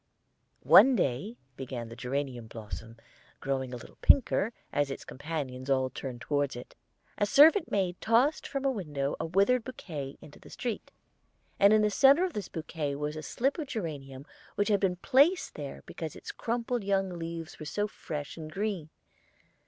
"One day," began the geranium blossom, growing a little pinker as its companions all turned toward it, "a servant maid tossed from a window a withered bouquet into the street, and in the centre of this bouquet was a slip of geranium which had been placed there because its crumpled young leaves were so fresh and green.